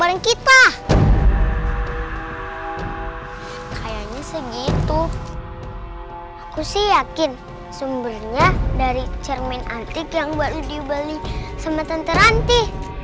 aku sih yakin sumbernya dari cermin antik yang baru dibeli sama tenteranti